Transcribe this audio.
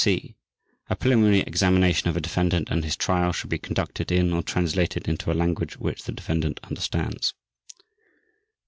(c) A preliminary examination of a defendant and his trial shall be conducted in, or translated into, a language which the defendant understands.